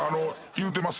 言ってます。